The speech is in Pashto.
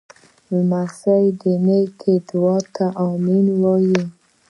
لمسی د نیکه دعا ته “امین” وایي.